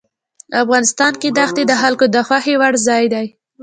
افغانستان کې دښتې د خلکو د خوښې وړ ځای دی.